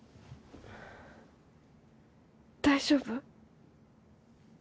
大丈夫？